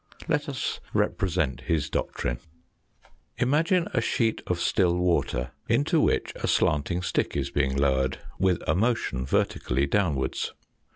Let us represent his doctrine. Imagine a sheet of still water into which a slanting stick is being lowered with a motion verti cally downwards.